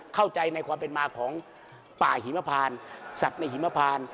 เข้าใจในความเป็นมาของป่าหิมพานสัตว์ในหิมพาน